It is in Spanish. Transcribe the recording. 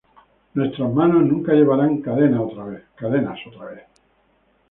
Nuestras manos nunca llevarán cadenas otra vez.